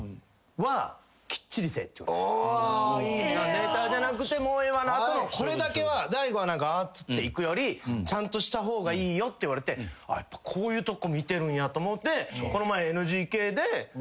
ネタじゃなくて「もうええわ」の後のこれだけは大悟はあっつって行くよりちゃんとした方がいいよって言われてやっぱこういうとこ見てるんやと思ってこの前。